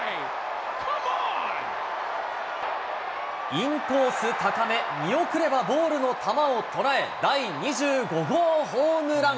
インコース高め、見送ればボールの球を捉え、第２５号ホームラン。